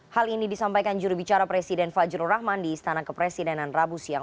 hal ini disampaikan jurubicara presiden fajrul rahman di istana kepresidenan rabu siang